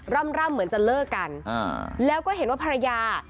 ร่ำเหมือนจะเลิกกันแล้วก็เห็นว่าภรรยา